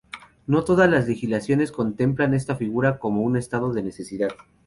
No todas las legislaciones contemplan esta figura como un estado de necesidad.